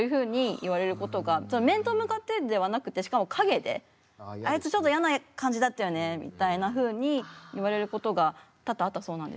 面と向かってではなくてしかも陰であいつちょっと嫌な感じだったよねみたいなふうに言われることが多々あったそうなんですね。